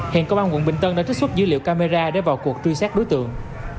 hèn công an quận bình tân đã trích xuất dữ liệu camera để vào cuộc truy sát đối tượng